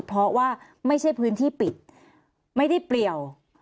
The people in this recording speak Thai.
เพราะว่าไม่ใช่พื้นที่ปิดไม่ได้เปลี่ยว